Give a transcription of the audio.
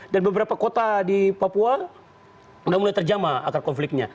dan beberapa kota di papua tidak mulai terjamah akar konfliknya